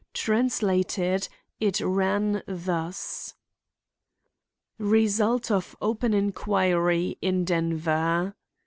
Translated, it ran thus: Result of open inquiry in Denver.